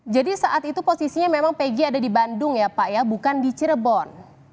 jadi saat itu posisinya memang peggy ada di bandung ya pak ya bukan di cirebon